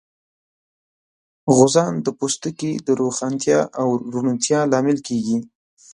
غوزان د پوستکي د روښانتیا او روڼتیا لامل کېږي.